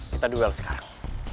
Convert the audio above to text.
kita duel sekarang